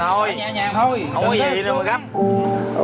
thôi nhẹ nhàng thôi không có gì nữa mà găm